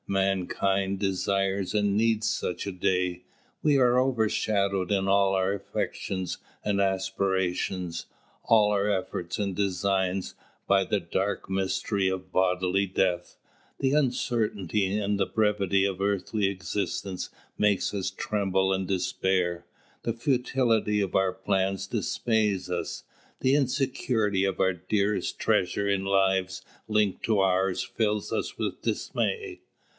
Mankind desires and needs such a day. We are overshadowed in all our affections and aspirations, all our efforts, and designs, by the dark mystery of bodily death; the uncertainty and the brevity of earthly existence make us tremble and despair; the futility of our plans dismays us; the insecurity of our dearest treasure in lives linked to ours fills us with dismay.